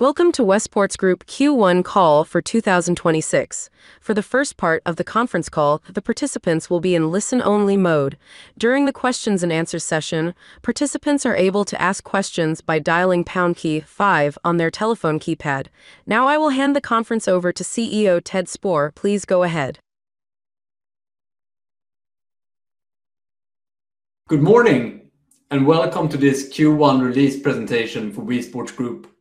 Welcome to WeSports Group Q1 call for 2026. For the first part of the conference call, the participants will be in listen-only mode. During the questions-and-answers session, participants are able to ask questions by dialing pound key five on their telephone keypad. Now I will hand the conference over to CEO Ted Sporre. Please go ahead. Good morning, welcome to this Q1 release presentation for WeSports Group.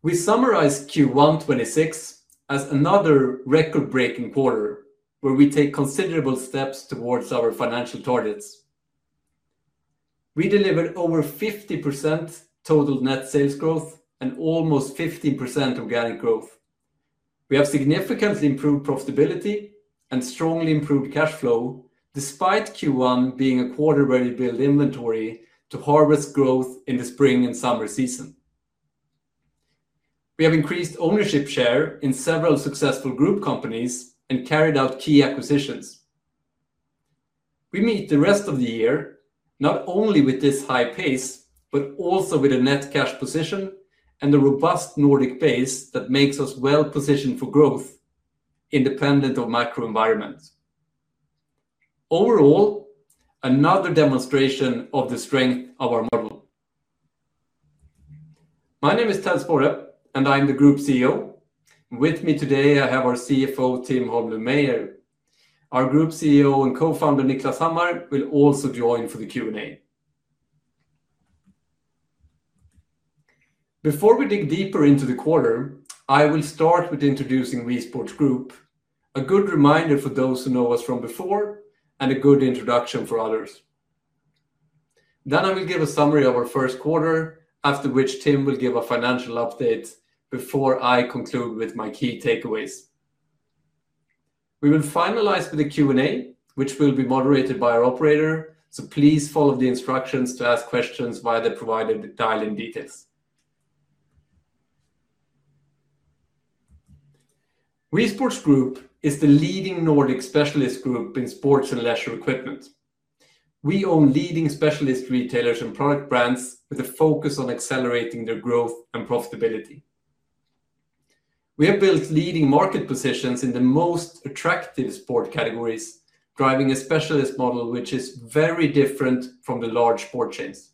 We summarize Q1 2026 as another record-breaking quarter where we take considerable steps towards our financial targets. We delivered over 50% total net sales growth and almost 15% organic growth. We have significantly improved profitability and strongly improved cash flow, despite Q1 being a quarter where we built inventory to harvest growth in the spring and summer season. We have increased ownership share in several successful group companies and carried out key acquisitions. We meet the rest of the year, not only with this high pace, but also with a net cash position and a robust Nordic base that makes us well-positioned for growth independent of macro environment. Overall, another demonstration of the strength of our model. My name is Ted Sporre, and I'm the Group CEO. With me today, I have our CFO, Tim Holmlund Meier. Our Group COO and Co-Founder, Niklas Hammar will also join for the Q&A. Before we dig deeper into the quarter, I will start with introducing WeSports Group, a good reminder for those who know us from before and a good introduction for others. I will give a summary of our first quarter, after which Tim will give a financial update before I conclude with my key takeaways. We will finalize with a Q&A, which will be moderated by our operator. Please follow the instructions to ask questions via the provided dial-in details. WeSports Group is the leading Nordic specialist group in sports and leisure equipment. We own leading specialist retailers and product brands with a focus on accelerating their growth and profitability. We have built leading market positions in the most attractive sport categories, driving a specialist model which is very different from the large sport chains.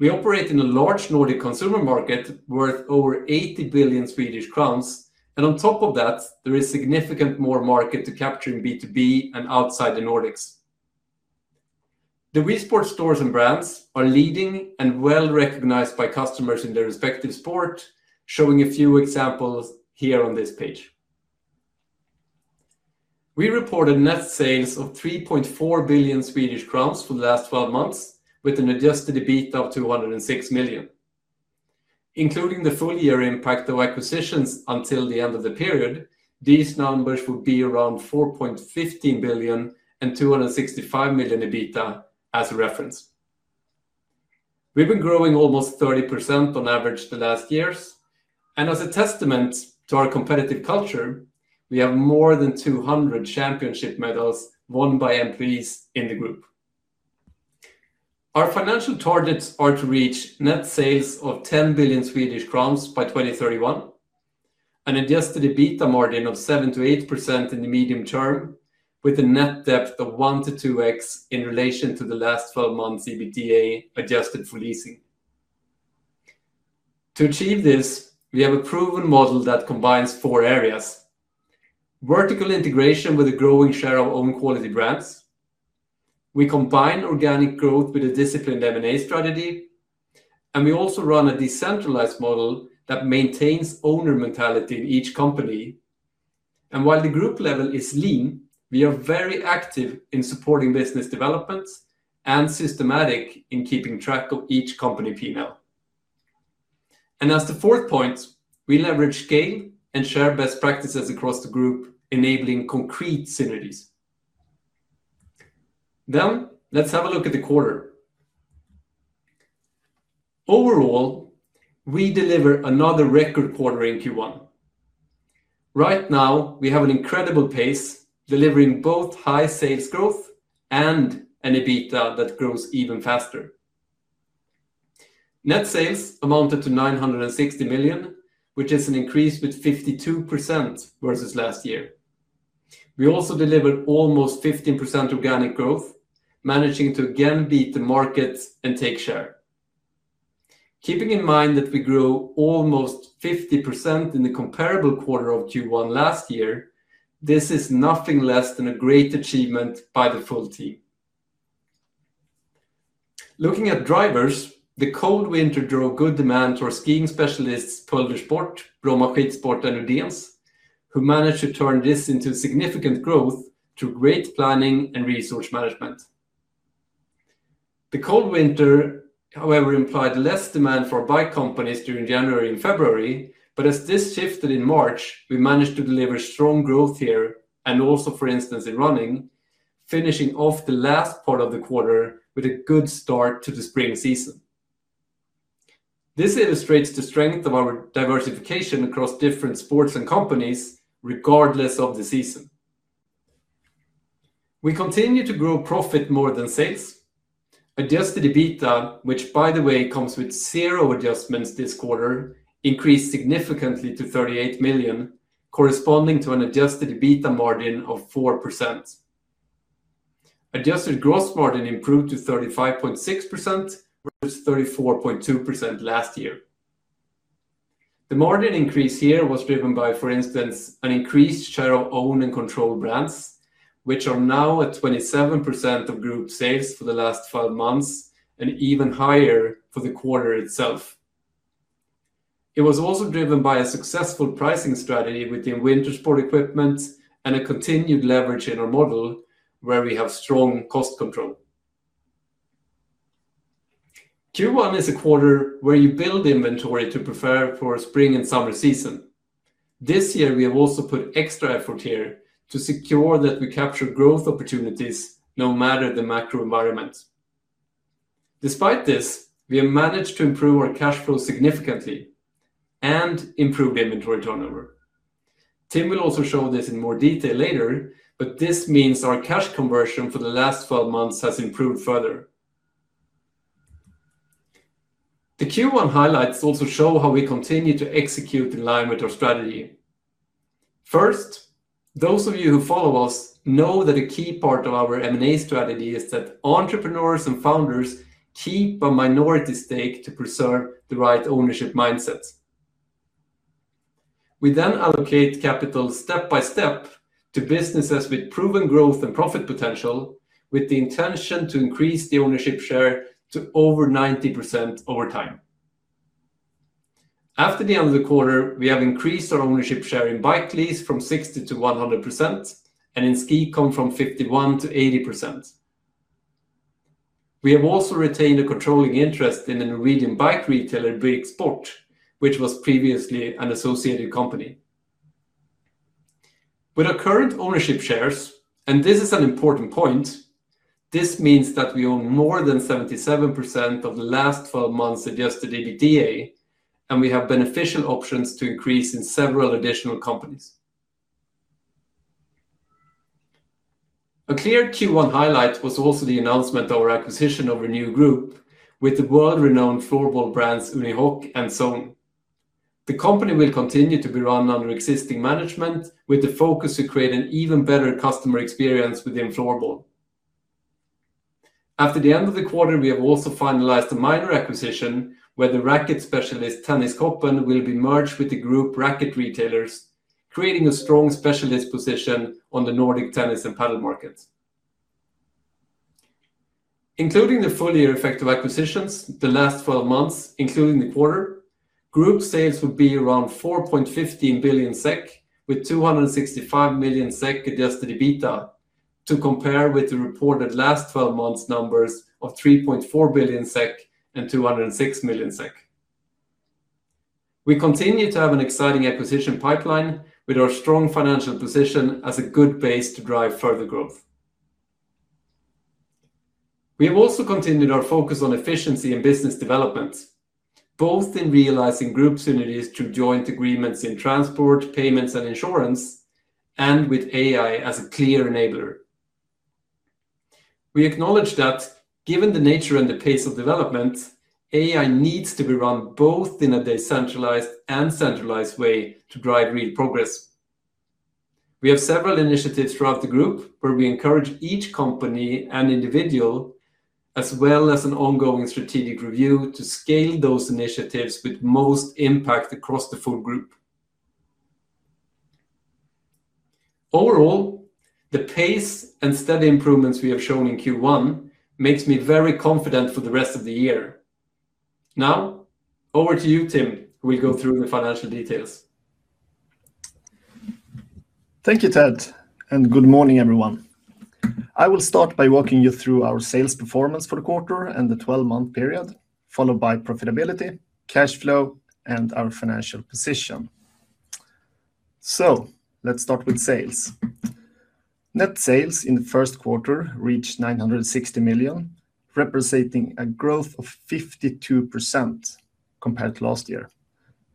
We operate in a large Nordic consumer market worth over 80 billion Swedish crowns, on top of that, there is significant more market to capture in B2B and outside the Nordics. The WeSports stores and brands are leading and well-recognized by customers in their respective sport, showing a few examples here on this page. We reported net sales of 3.4 billion Swedish crowns for the last 12 months, with an adjusted EBIT of 206 million. Including the full year impact of acquisitions until the end of the period, these numbers would be around 4.15 billion and 265 million EBITDA as a reference. We've been growing almost 30% on average the last years, as a testament to our competitive culture, we have more than 200 championship medals won by employees in the group. Our financial targets are to reach net sales of 10 billion Swedish crowns by 2031, an adjusted EBITDA margin of 7%-8% in the medium term, with a net debt of 1x-2x in relation to the last 12 months EBITDA, adjusted for leasing. To achieve this, we have a proven model that combines four areas. Vertical integration with a growing share of own quality brands. We combine organic growth with a disciplined M&A strategy. We also run a decentralized model that maintains owner mentality in each company. While the group level is lean, we are very active in supporting business development and systematic in keeping track of each company P&L. As the fourth point, we leverage scale and share best practices across the group, enabling concrete synergies. Let's have a look at the quarter. Overall, we deliver another record quarter in Q1. Right now, we have an incredible pace, delivering both high sales growth and an EBITDA that grows even faster. Net sales amounted to 960 million, which is an increase with 52% versus last year. We also delivered almost 15% organic growth, managing to again beat the market and take share. Keeping in mind that we grew almost 50% in the comparable quarter of Q1 last year, this is nothing less than a great achievement by the full team. Looking at drivers, the cold winter drove good demand to our skiing specialists, Pölder Sport, Bromma Skidsport, and Rydéns, who managed to turn this into significant growth through great planning and resource management. The cold winter, however, implied less demand for bike companies during January and February, but as this shifted in March, we managed to deliver strong growth here and also, for instance, in running, finishing off the last part of the quarter with a good start to the spring season. This illustrates the strength of our diversification across different sports and companies, regardless of the season. We continue to grow profit more than sales. Adjusted EBITDA, which by the way comes with zero adjustments this quarter, increased significantly to 38 million, corresponding to an adjusted EBITDA margin of 4%. Adjusted gross margin improved to 35.6% versus 34.2% last year. The margin increase here was driven by, for instance, an increased share of owned and controlled brands, which are now at 27% of group sales for the last 12 months and even higher for the quarter itself. It was also driven by a successful pricing strategy within winter sport equipment and a continued leverage in our model where we have strong cost control. Q1 is a quarter where you build inventory to prepare for spring and summer season. This year, we have also put extra effort here to secure that we capture growth opportunities no matter the macro environment. Despite this, we have managed to improve our cash flow significantly and improve inventory turnover. Tim will also show this in more detail later, but this means our cash conversion for the last 12 months has improved further. The Q1 highlights also show how we continue to execute in line with our strategy. First, those of you who follow us know that a key part of our M&A strategy is that entrepreneurs and founders keep a minority stake to preserve the right ownership mindsets. We allocate capital step by step to businesses with proven growth and profit potential, with the intention to increase the ownership share to over 90% over time. After the end of the quarter, we have increased our ownership share in Bikelease from 60% to 100% and in SkiCom from 51% to 80%. We have also retained a controlling interest in the Norwegian bike retailer Birk Sport, which was previously an associated company. With our current ownership shares, and this is an important point, this means that we own more than 77% of the last 12 months' adjusted EBITDA, and we have beneficial options to increase in several additional companies. A clear Q1 highlight was also the announcement of our acquisition of Renew Group with the world-renowned floorball brands Unihoc and Zone. The company will continue to be run under existing management with the focus to create an even better customer experience within floorball. After the end of the quarter, we have also finalized a minor acquisition where the racket specialist TennisShopen will be merged with the group racket retailers, creating a strong specialist position on the Nordic tennis and padel markets. Including the full year effect of acquisitions, the last 12 months, including the quarter, group sales would be around 4.15 billion SEK, with 265 million SEK adjusted EBITDA to compare with the reported last 12 months numbers of 3.4 billion SEK and 206 million SEK. We continue to have an exciting acquisition pipeline with our strong financial position as a good base to drive further growth. We have also continued our focus on efficiency and business development, both in realizing group synergies through joint agreements in transport, payments, and insurance, and with AI as a clear enabler. We acknowledge that given the nature and the pace of development, AI needs to be run both in a decentralized and centralized way to drive real progress. We have several initiatives throughout the group where we encourage each company and individual, as well as an ongoing strategic review, to scale those initiatives with most impact across the full group. Overall, the pace and steady improvements we have shown in Q1 makes me very confident for the rest of the year. Now, over to you, Tim, who will go through the financial details. Thank you, Ted. Good morning, everyone. I will start by walking you through our sales performance for the quarter and the 12-month period, followed by profitability, cash flow, and our financial position. Let's start with sales. Net sales in the first quarter reached 960 million, representing a growth of 52% compared to last year.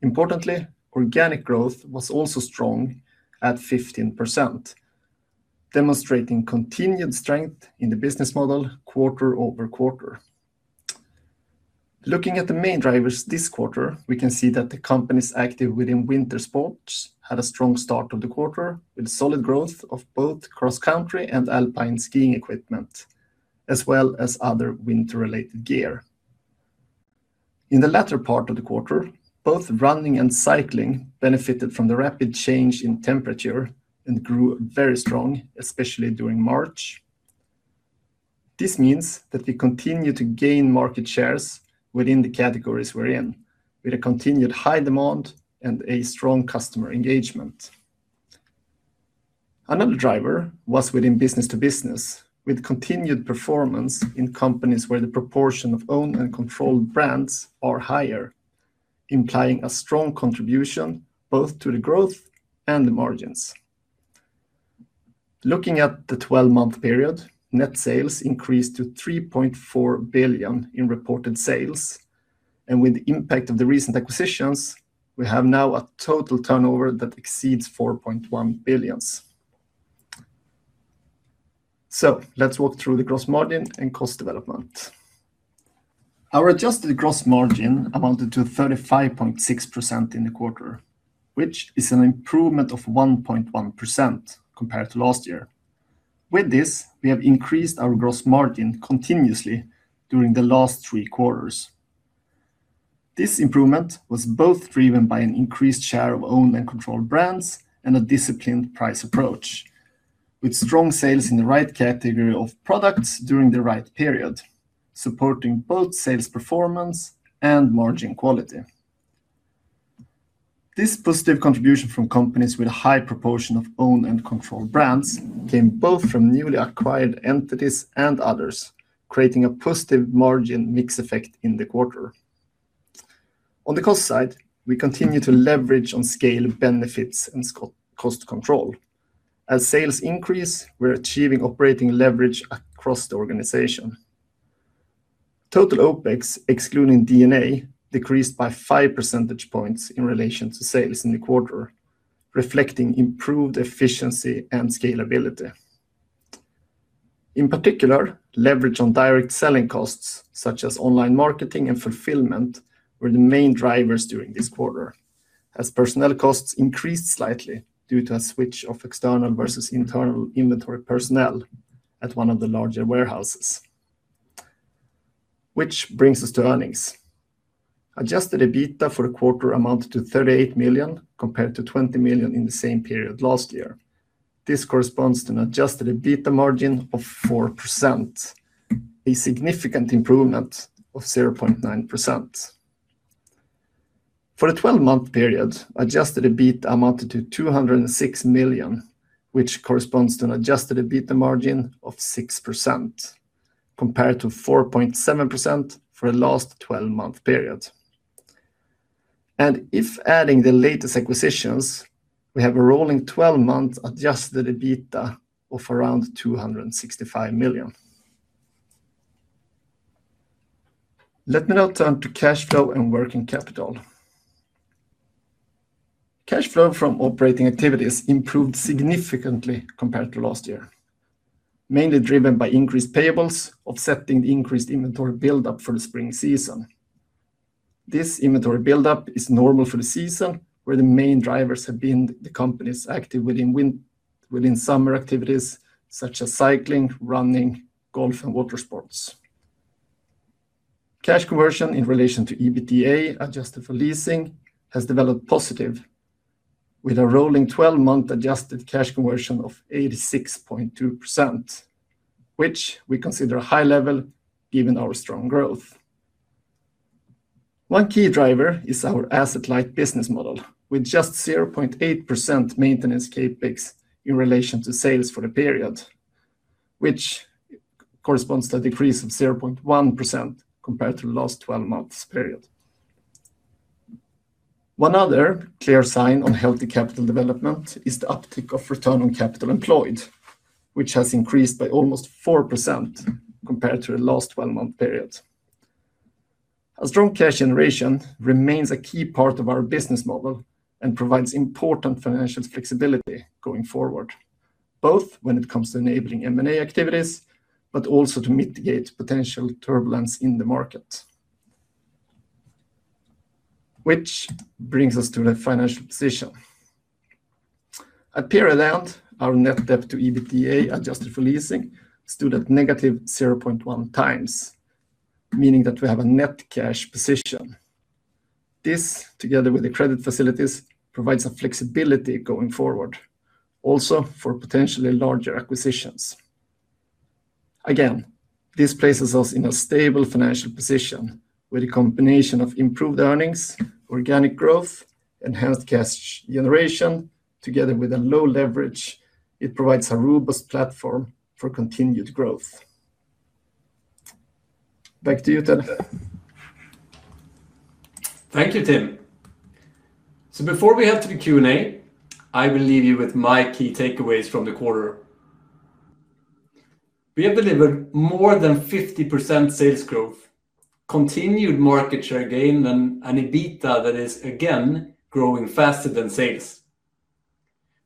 Importantly, organic growth was also strong at 15%, demonstrating continued strength in the business model quarter-over-quarter. Looking at the main drivers this quarter, we can see that the companies active within winter sports had a strong start of the quarter with solid growth of both cross-country and alpine skiing equipment, as well as other winter-related gear. In the latter part of the quarter, both running and cycling benefited from the rapid change in temperature and grew very strong, especially during March. This means that we continue to gain market shares within the categories we're in with a continued high demand and a strong customer engagement. Another driver was within business to business with continued performance in companies where the proportion of owned and controlled brands are higher, implying a strong contribution both to the growth and the margins. Looking at the 12-month period, net sales increased to 3.4 billion in reported sales. With the impact of the recent acquisitions, we have now a total turnover that exceeds 4.1 billion. Let's walk through the gross margin and cost development. Our adjusted gross margin amounted to 35.6% in the quarter, which is an improvement of 1.1% compared to last year. With this, we have increased our gross margin continuously during the last three quarters. This improvement was both driven by an increased share of owned and controlled brands and a disciplined price approach, with strong sales in the right category of products during the right period, supporting both sales performance and margin quality. This positive contribution from companies with a high proportion of owned and controlled brands came both from newly acquired entities and others, creating a positive margin mix effect in the quarter. On the cost side, we continue to leverage on scale benefits and cost control. As sales increase, we're achieving operating leverage across the organization. Total OpEx, excluding D&A, decreased by 5 percentage points in relation to sales in the quarter, reflecting improved efficiency and scalability. In particular, leverage on direct selling costs such as online marketing and fulfillment were the main drivers during this quarter, as personnel costs increased slightly due to a switch of external versus internal inventory personnel at one of the larger warehouses. Brings us to earnings. Adjusted EBITA for the quarter amounted to 38 million compared to 20 million in the same period last year. This corresponds to an adjusted EBITA margin of 4%, a significant improvement of 0.9%. For the 12-month period, adjusted EBIT amounted to 206 million, corresponds to an adjusted EBIT margin of 6% compared to 4.7% for the last 12-month period. If adding the latest acquisitions, we have a rolling 12-month adjusted EBITA of around SEK 265 million. Let me now turn to cash flow and working capital. Cash flow from operating activities improved significantly compared to last year, mainly driven by increased payables offsetting the increased inventory buildup for the spring season. This inventory buildup is normal for the season, where the main drivers have been the companies active within summer activities such as cycling, running, golf, and water sports. Cash conversion in relation to EBITDA, adjusted for leasing, has developed positive, with a rolling 12-month adjusted cash conversion of 86.2%, which we consider a high level given our strong growth. One key driver is our asset-light business model, with just 0.8% maintenance CapEx in relation to sales for the period, which corresponds to a decrease of 0.1% compared to the last 12 months period. One other clear sign on healthy capital development is the uptick of return on capital employed, which has increased by almost 4% compared to the last 12-month period. A strong cash generation remains a key part of our business model and provides important financial flexibility going forward, both when it comes to enabling M&A activities, but also to mitigate potential turbulence in the market. Which brings us to the financial position. At period end, our net debt to EBITDA, adjusted for leasing, stood at -0.1x, meaning that we have a net cash position. This, together with the credit facilities, provides a flexibility going forward, also for potentially larger acquisitions. Again, this places us in a stable financial position with a combination of improved earnings, organic growth, enhanced cash generation, together with a low leverage, it provides a robust platform for continued growth. Back to you, Ted. Thank you, Tim. Before we head to the Q&A, I will leave you with my key takeaways from the quarter. We have delivered more than 50% sales growth, continued market share gain, and an EBITDA that is again growing faster than sales.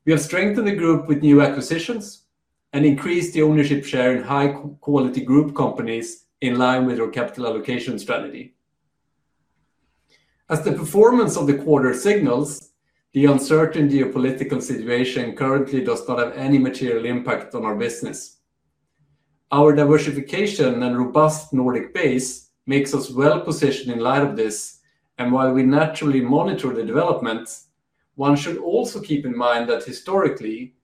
We have strengthened the group with new acquisitions and increased the ownership share in high-quality group companies in line with our capital allocation strategy. As the performance of the quarter signals, the uncertainty of political situation currently does not have any material impact on our business. Our diversification and robust Nordic base makes us well-positioned in light of this, and while we naturally monitor the developments, one should also keep in mind that historically,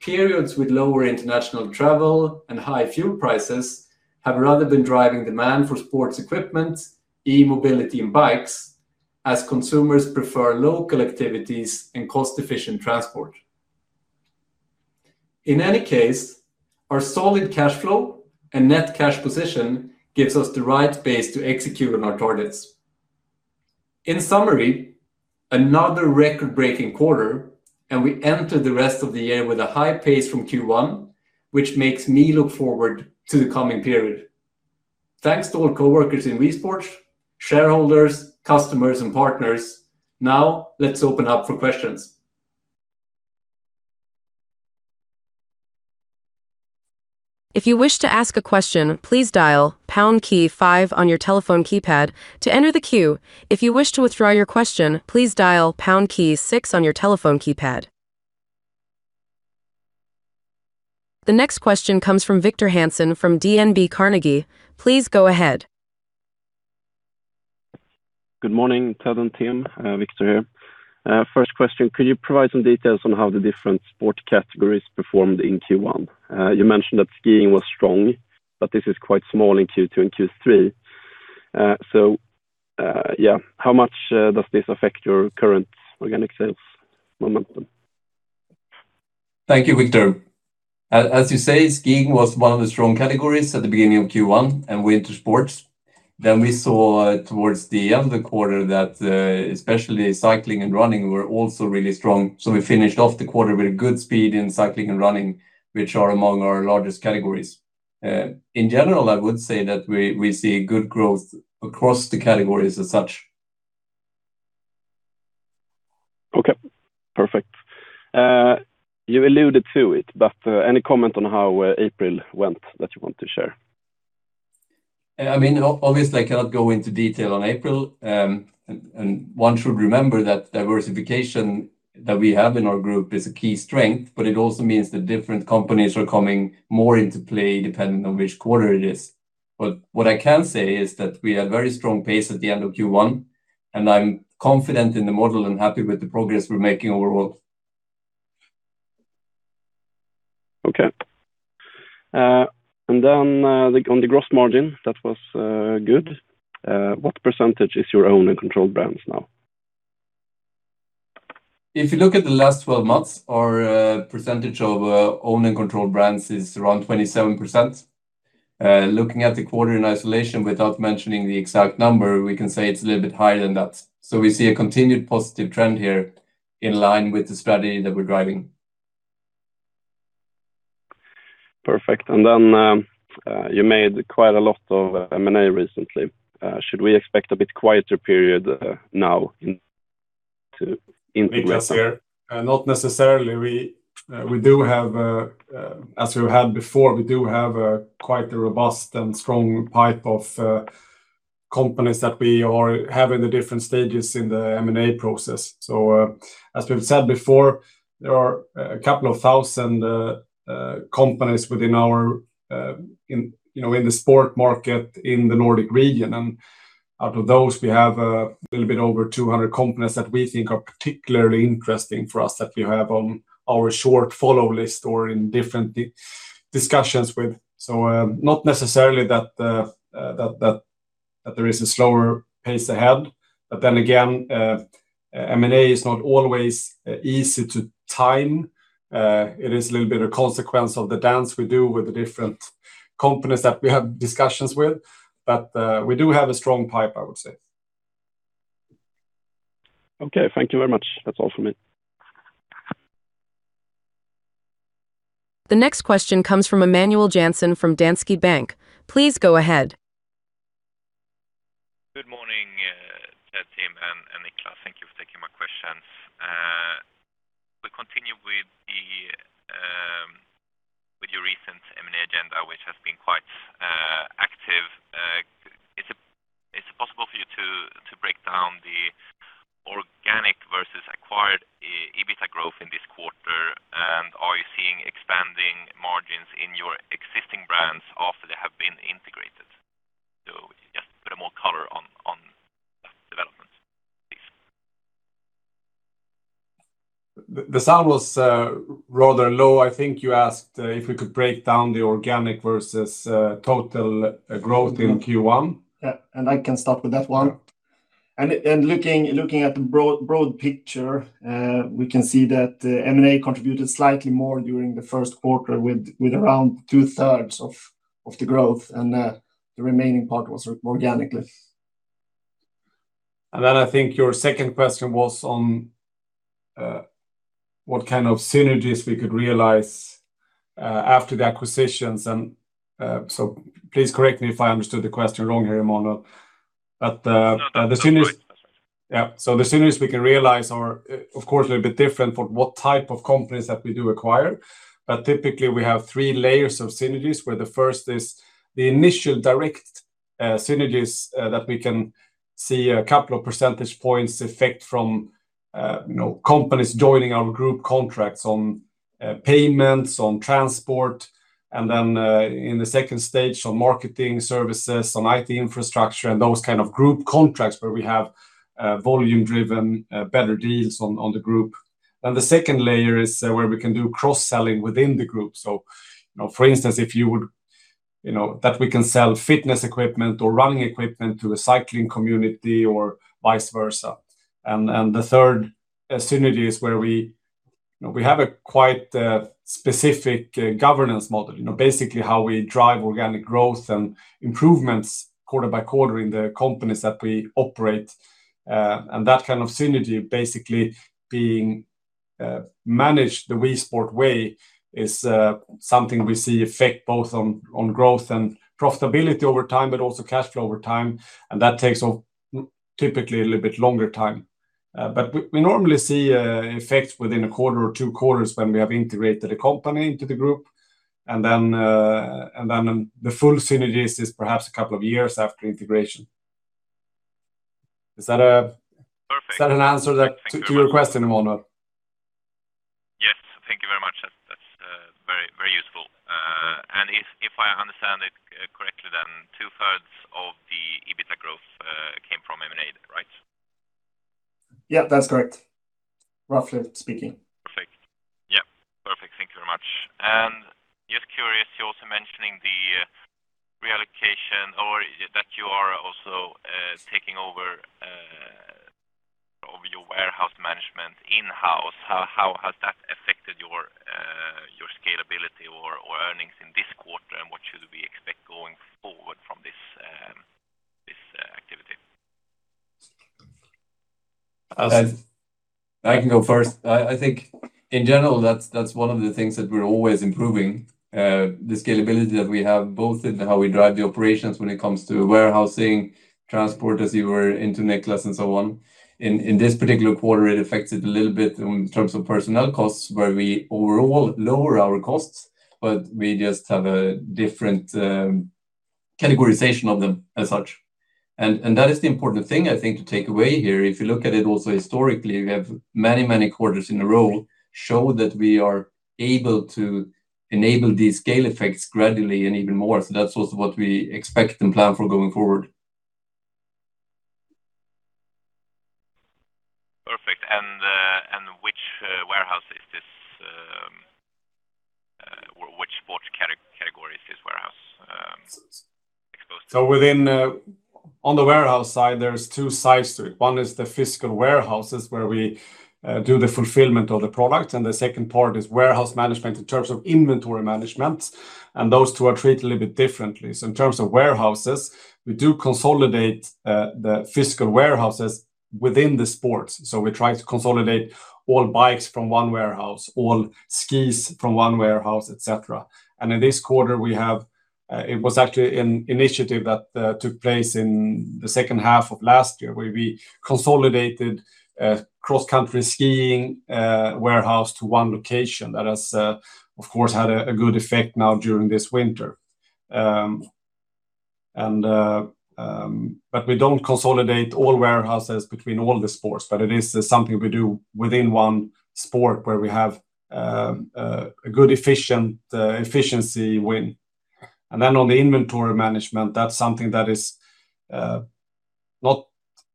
periods with lower international travel and high fuel prices have rather been driving demand for sports equipment, e-mobility, and bikes, as consumers prefer local activities and cost-efficient transport. In any case, our solid cash flow and net cash position gives us the right base to execute on our targets. In summary, another record-breaking quarter, we enter the rest of the year with a high pace from Q1, which makes me look forward to the coming period. Thanks to all coworkers in WeSports, shareholders, customers, and partners. Let's open up for questions. The next question comes from Victor Hansen from DNB Carnegie. Please go ahead. Good morning, Ted and team, Victor here. First question, could you provide some details on how the different sport categories performed in Q1? You mentioned that skiing was strong, but this is quite small in Q2 and Q3. How much does this affect your current organic sales momentum? Thank you, Victor. As you say, skiing was one of the strong categories at the beginning of Q1 and winter sports. We saw towards the end of the quarter that especially cycling and running were also really strong. We finished off the quarter with a good speed in cycling and running, which are among our largest categories. In general, I would say that we see good growth across the categories as such. Okay, perfect. You alluded to it, but any comment on how April went that you want to share? I mean, obviously, I cannot go into detail on April, and one should remember that diversification that we have in our group is a key strength, but it also means that different companies are coming more into play depending on which quarter it is. What I can say is that we had very strong pace at the end of Q1, and I'm confident in the model and happy with the progress we're making overall. Okay. On the gross margin, that was good. What percentage is your owned and controlled brands now? If you look at the last 12 months, our percentage of owned and controlled brands is around 27%. Looking at the quarter in isolation without mentioning the exact number, we can say it's a little bit higher than that. We see a continued positive trend here in line with the strategy that we're driving. Perfect. You made quite a lot of M&A recently. Should we expect a bit quieter period now to integrate that? Niklas here. Not necessarily. We do have, as we had before, we do have a quite a robust and strong pipe of companies that we are having the different stages in the M&A process. As we've said before, there are a couple of thousand companies within our, in, you know, in the sport market in the Nordic region. Out of those, we have a little bit over 200 companies that we think are particularly interesting for us that we have on our short follow list or in different discussions with. Not necessarily that there is a slower pace ahead. M&A is not always easy to time. It is a little bit of consequence of the dance we do with the different companies that we have discussions with. We do have a strong pipe, I would say. Okay, thank you very much. That's all from me. The next question comes from Emmanuel Jansson from Danske Bank. Please go ahead. Good morning, Ted, Tim, and Niklas. Thank you for taking my question. We continue with your recent M&A agenda, which has been quite active. Is it possible for you to break down the organic versus acquired EBITDA growth in this quarter? Are you seeing expanding margins in your existing brands after they have been integrated? Just a bit more color on that development, please. The sound was rather low. I think you asked if we could break down the organic versus total growth in Q1. Yeah, I can start with that one. Looking at the broad picture, we can see that M&A contributed slightly more during the first quarter with around 2/3 of the growth, and the remaining part was organically. I think your second question was on, what kind of synergies we could realize, after the acquisitions. Please correct me if I understood the question wrong here, Emmanuel. No, that was correct. Yeah. The synergies we can realize are, of course, a little bit different for what type of companies that we do acquire. Typically, we have three layers of synergies, where the first is the initial direct synergies that we can see a couple of percentage points effect from, you know, companies joining our group contracts on payments, on transport, and then in the second stage on marketing services, on IT infrastructure, and those kind of group contracts where we have volume-driven better deals on the group. The second layer is where we can do cross-selling within the group. You know, for instance, if you would, you know, that we can sell fitness equipment or running equipment to a cycling community or vice versa. The third synergy is where we have a quite specific governance model, you know, basically how we drive organic growth and improvements quarter by quarter in the companies that we operate. That kind of synergy basically being managed the WeSports way is something we see effect both on growth and profitability over time, but also cash flow over time, and that takes typically a little bit longer time. We, we normally see a effect within a quarter or two quarters when we have integrated a company into the group. The full synergies is perhaps a couple of years after integration. Perfect Is that an answer that to your question, Emmanuel? Yes. Thank you very much. That's very, very useful. If I understand it correctly, then 2/3 of the EBITA growth came from M&A, right? Yeah, that's correct. Roughly speaking. Perfect. Yeah. Perfect. Thank you very much. Just curious, you are also mentioning the reallocation or that you are also taking over your warehouse management in-house. How has that affected your scalability or earnings in this quarter? What should we expect going forward from this activity? I'll s- I can go first. I think in general, that's one of the things that we're always improving, the scalability that we have both in how we drive the operations when it comes to warehousing, transport, as you were, into Niklas, and so on. In this particular quarter, it affects it a little bit in terms of personnel costs, where we overall lower our costs, but we just have a different categorization of them as such. That is the important thing I think to take away here. If you look at it also historically, we have many quarters in a row show that we are able to enable these scale effects gradually and even more so. That's also what we expect and plan for going forward. Perfect. Which warehouse is this? Which sport category is this warehouse, exposed? Within, on the warehouse side, there's two sides to it. One is the physical warehouses where we do the fulfillment of the product, and the second part is warehouse management in terms of inventory management. Those two are treated a little bit differently. In terms of warehouses, we do consolidate the physical warehouses within the sports. We try to consolidate all bikes from one warehouse, all skis from one warehouse, et cetera. In this quarter, we have, it was actually an initiative that took place in the second half of last year, where we consolidated a cross-country skiing warehouse to one location. That has, of course, had a good effect now during this winter. We don't consolidate all warehouses between all the sports, but it is something we do within one sport where we have a good efficient efficiency win. Then on the inventory management, that's something that is not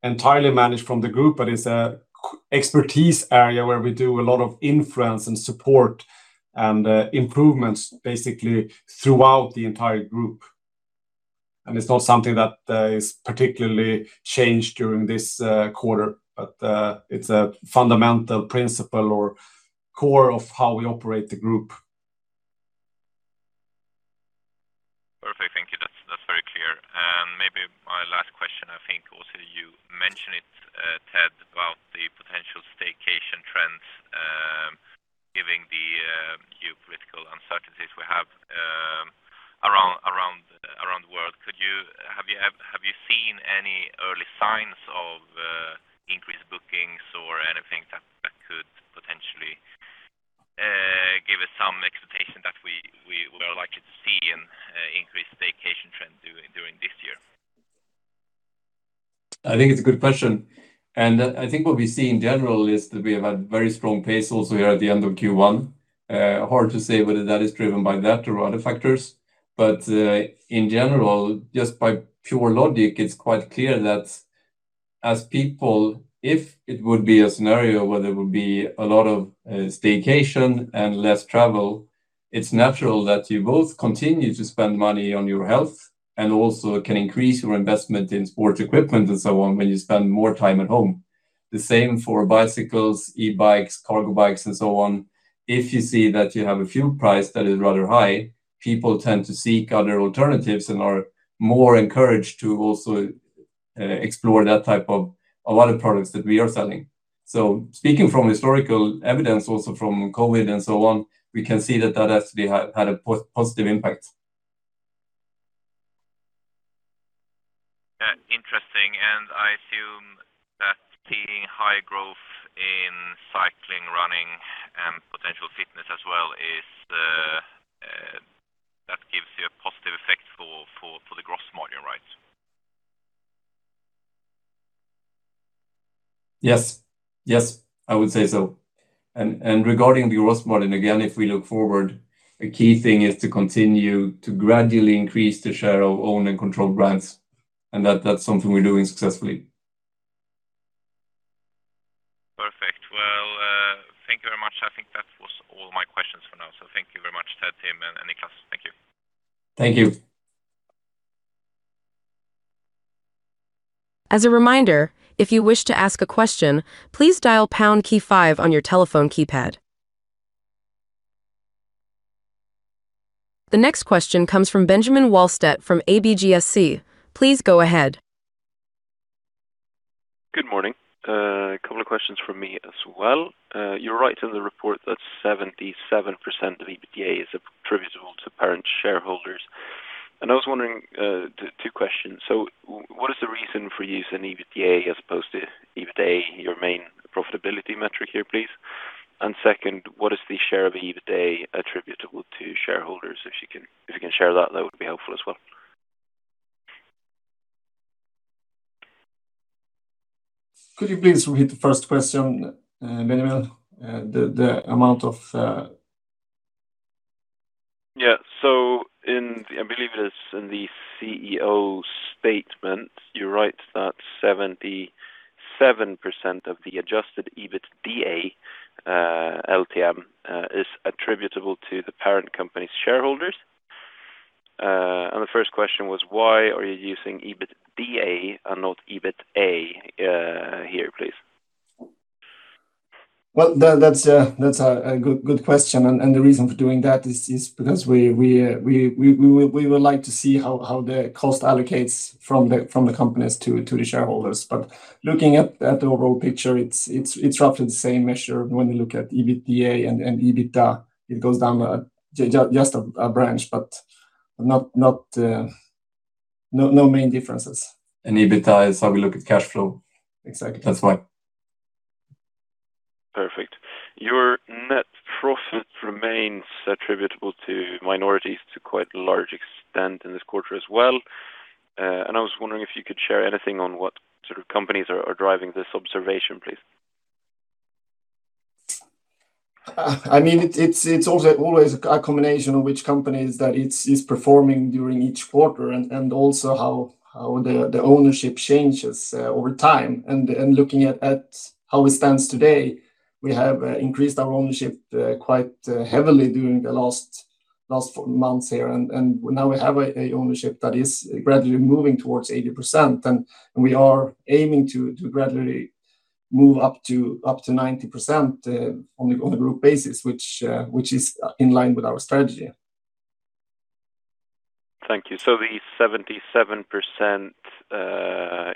entirely managed from the group, but it's an expertise area where we do a lot of influence, and support, and improvements basically throughout the entire group. It's not something that is particularly changed during this quarter, but it's a fundamental principle or core of how we operate the group. Perfect. Thank you. That's very clear. Maybe my last question, I think also you mentioned it, Ted, about the potential staycation trends, given the geopolitical uncertainties we have around the world. Have you seen any early signs of increased bookings or anything that could potentially give us some expectation that we are likely to see an increased staycation trend during this year? I think it's a good question. I think what we see in general is that we have had very strong pace also here at the end of Q1. Hard to say whether that is driven by that or other factors. In general, just by pure logic, it's quite clear that as people, if it would be a scenario where there would be a lot of staycation and less travel, it's natural that you both continue to spend money on your health, and also can increase your investment in sports equipment and so on when you spend more time at home. The same for bicycles, e-bikes, cargo bikes, and so on. If you see that you have a fuel price that is rather high, people tend to seek other alternatives and are more encouraged to also explore that type of, a lot of products that we are selling. Speaking from historical evidence, also from COVID and so on, we can see that that has had a positive impact. Interesting. I assume that seeing high growth in cycling, running, and potential fitness as well is, that gives you a positive effect for the growth model, right? Yes. Yes, I would say so. Regarding the growth model, and again, if we look forward, the key thing is to continue to gradually increase the share of owned and controlled brands, and that's something we're doing successfully. Perfect. Well, thank you very much. I think that was all my questions for now. Thank you very much, Ted, Tim, and Niklas. Thank you. Thank you. The next question comes from Benjamin Wahlstedt from ABGSC. Please go ahead. Good morning. A couple of questions from me as well. You write in the report that 77% of EBITDA is attributable to parent shareholders, and I was wondering, the two questions. What is the reason for using EBITDA as opposed to EBITA, your main profitability metric here, please? Second, what is the share of EBITA attributable to shareholders? If you can share that would be helpful as well. Could you please repeat the first question, Benjamin, the amount of? Yeah. In the I believe it is in the CEO statement, you write that 77% of the adjusted EBITDA, LTM, is attributable to the parent company's shareholders. The first question was why are you using EBITDA and not EBITA here, please? Well, that's a good question. The reason for doing that is because we would like to see how the cost allocates from the companies to the shareholders. Looking at the overall picture, it's roughly the same measure when we look at EBITDA and EBITA. It goes down just a branch, but not main differences. EBITA is how we look at cash flow. Exactly. That's why. Perfect. Your net profit remains attributable to minorities to quite a large extent in this quarter as well. I was wondering if you could share anything on what sort of companies are driving this observation, please. I mean, it's also always a combination of which companies that is performing during each quarter and also how the ownership changes over time. Looking at how it stands today, we have increased our ownership quite heavily during the last months here. Now we have an ownership that is gradually moving towards 80%, and we are aiming to gradually move up to 90% on a group basis, which is in line with our strategy. Thank you. The 77%,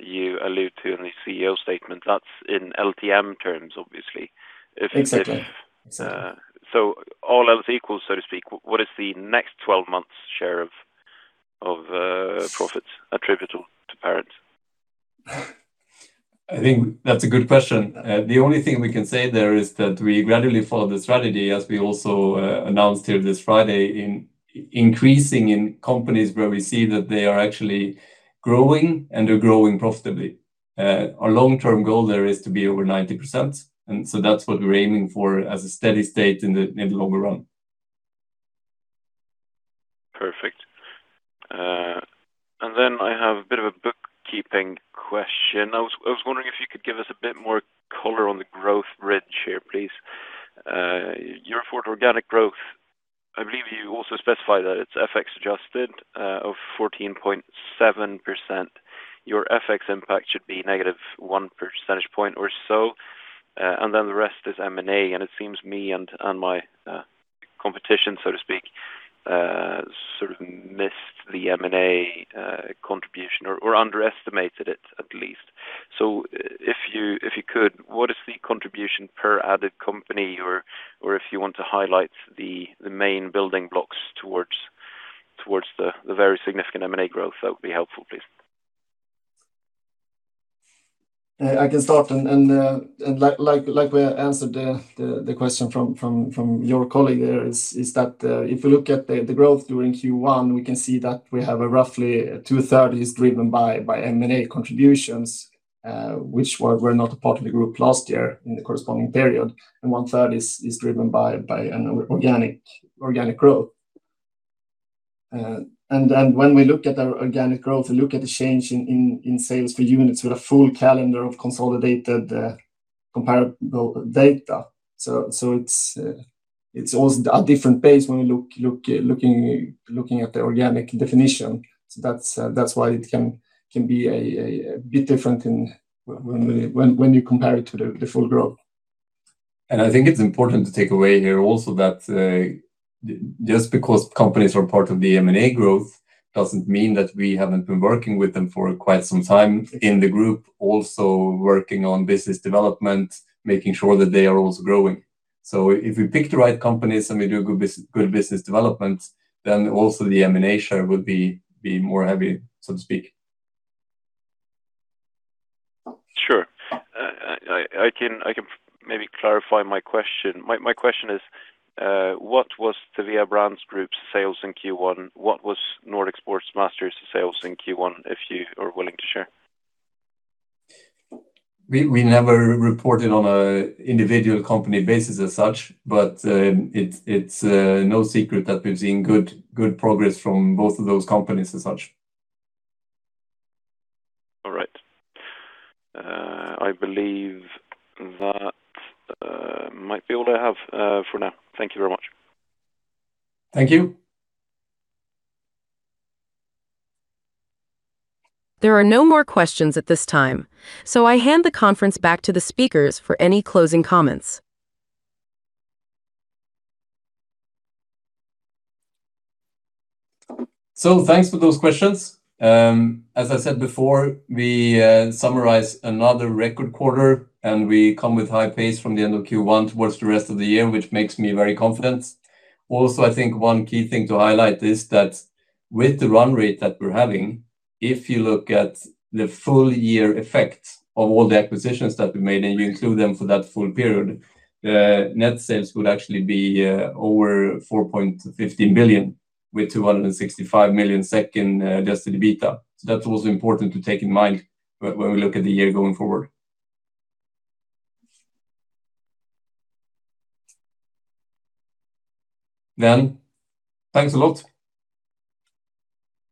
you allude to in the CEO statement, that's in LTM terms, obviously. Exactly. If it is, all else equal, so to speak, what is the next 12 months share of profits attributable to parent? I think that's a good question. The only thing we can say there is that we gradually follow the strategy, as we also announced here this Friday in increasing in companies where we see that they are actually growing, and they're growing profitably. Our long-term goal there is to be over 90%, and so that's what we're aiming for as a steady state in the longer run. Perfect. I have a bit of a bookkeeping question. I was wondering if you could give us a bit more color on the growth bridge here, please. You report organic growth. I believe you also specify that it's FX adjusted, of 14.7%. Your FX impact should be -1 percentage point or so, the rest is M&A. It seems me and my competition, so to speak, sort of missed the M&A contribution or underestimated it at least. If you could, what is the contribution per added company? If you want to highlight the main building blocks towards the very significant M&A growth, that would be helpful, please. I can start. Like we answered the question from your colleague there is that if you look at the growth during Q1, we can see that we have a roughly 2/3 is driven by M&A contributions, which were not a part of the group last year in the corresponding period, and 1/3 is driven by an organic growth. When we look at our organic growth, we look at the change in sales per units with a full calendar of consolidated comparable data. It's also a different pace when we looking at the organic definition. That's why it can be a bit different in when you compare it to the full growth. I think it's important to take away here also that just because companies are part of the M&A growth doesn't mean that we haven't been working with them for quite some time in the group, also working on business development, making sure that they are also growing. If we pick the right companies and we do good business development, then also the M&A share will be more heavy, so to speak. Sure. I can maybe clarify my question. My question is, what was the Thevea Brands Group's sales in Q1? What was Sportsmaster sales in Q1, if you are willing to share? We never reported on an individual company basis as such, but it's no secret that we've seen good progress from both of those companies as such. All right. I believe that might be all I have for now. Thank you very much. Thank you. There are no more questions at this time, so I hand the conference back to the speakers for any closing comments. Thanks for those questions. As I said before, we summarize another record quarter, and we come with high pace from the end of Q1 towards the rest of the year, which makes me very confident. Also, I think one key thing to highlight is that with the run rate that we're having, if you look at the full year effect of all the acquisitions that we made, and you include them for that full period, the net sales would actually be over 4.15 billion with 265 million adjusted EBITDA. That's also important to take in mind when we look at the year going forward. Thanks a lot.